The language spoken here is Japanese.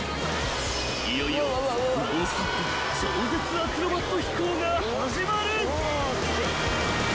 ［いよいよノンストップ超絶アクロバット飛行が始まる］